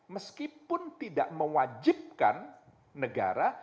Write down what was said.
meskipun tidak mewajibkan negara